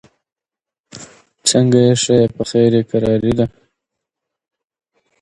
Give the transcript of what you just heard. نور یې غم نه وي د نورو له دردونو `